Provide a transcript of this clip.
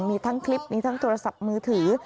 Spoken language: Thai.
มีทั้งคลิปมีทั้งโทรศัพท์มือถือ